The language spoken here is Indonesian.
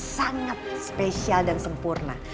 sangat spesial dan sempurna